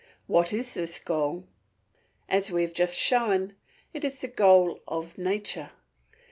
What is this goal? As we have just shown, it is the goal of nature.